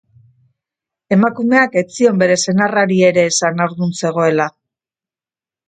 Emakumeak ez zion bere senarrari ere esan haurdun zegoela.